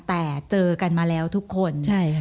แต่เจอกันมาแล้วทุกคน